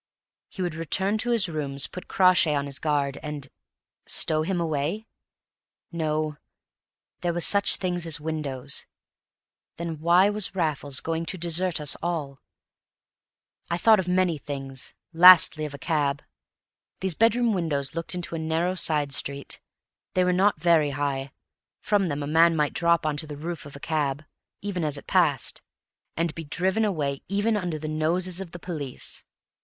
He would return to his rooms, put Crawshay on his guard, and stow him away? No there were such things as windows. Then why was Raffles going to desert us all? I thought of many things lastly of a cab. These bedroom windows looked into a narrow side street; they were not very high; from them a man might drop on to the roof of a cab even as it passed and be driven away even under the noses of the police!